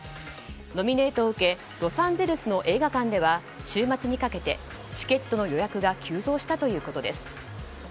ノミネートを受けロサンゼルスの映画館では週末にかけてチケットの予約が急増したということです。